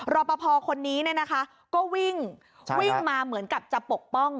รอปภคนนี้ก็วิ่งมาเหมือนกับจะปกป้อง